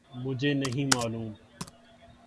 مجھے نہیں معلوم